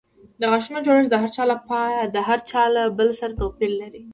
د غاښونو جوړښت د هر چا له بل سره توپیر لري.